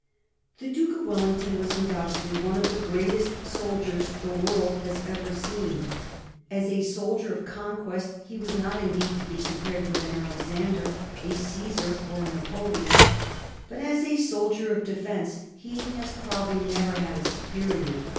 The Duke of Wellington was undoubtedly one of the greatest soldiers the world has ever seen. As a soldier of conquest he was not indeed to be compared with an Alexander, a Caesar, or a Napoleon, but as a soldier of defence he has probably never had a superior.